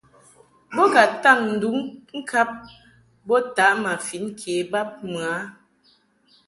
Bo ka taŋ nduŋ ŋkab bo taʼ ma fin ke bab mɨ a.